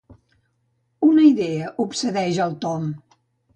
Una idea obsedeix el Tom.